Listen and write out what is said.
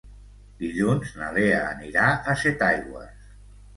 Dilluns na Lea anirà a Setaigües.